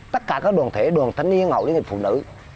tất cả các đoàn thể đoàn thanh niên hội liên hiệp phụ nữ